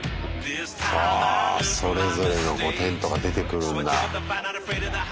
あそれぞれのテントから出てくるんだ。